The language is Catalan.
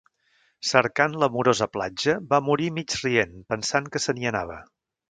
Cercant l’amorosa platja, va morir mig-rient, pensant que se n’hi anava.